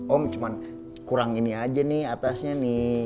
om cuma kurang ini aja nih atasnya nih